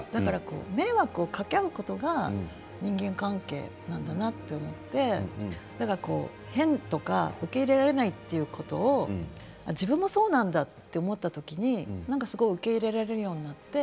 迷惑をかけ合うことが人間関係なんだなと思って変とか受け入れられないということ自分もそうなんだと思った時に受け入れられるようになって。